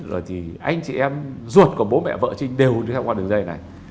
rồi thì anh chị em ruột của bố mẹ vợ trinh đều sẽ qua đường dây này